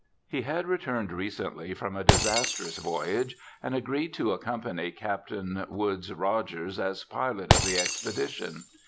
He had returned recently from a disastrous voyage, and agreed to accompany Captain Woodes Rogers as pilot of the expedition.